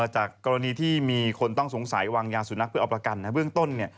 จากกรณีที่มีคนต้องสงสัยวางยามสู่นักเพื่ออับรากรรมในเรื่องต้น